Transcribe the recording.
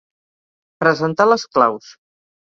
Presentar les claus.